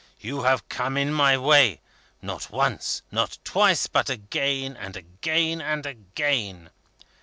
You have come in my way not once, not twice, but again and again and again.